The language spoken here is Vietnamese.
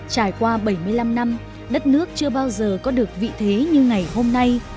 trải qua bảy mươi năm năm đất nước chưa bao giờ có được vị thế như ngày hôm nay